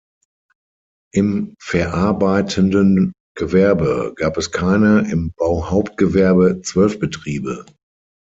Im verarbeitenden Gewerbe gab es keine, im Bauhauptgewerbe zwölf Betriebe.